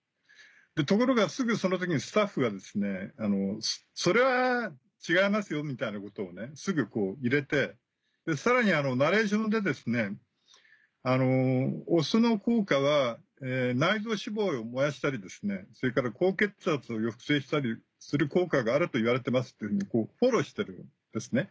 ところがすぐその時にスタッフが「それは違いますよ」みたいなことをすぐ入れてさらにナレーションで「お酢の効果は内臓脂肪を燃やしたりそれから高血圧を抑制したりする効果があるといわれてます」ってフォローしてるんですね。